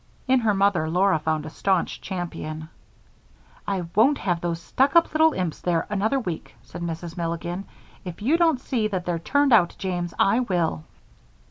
In her mother Laura found a staunch champion. "I won't have those stuck up little imps there another week," said Mrs. Milligan. "If you don't see that they're turned out, James, I will."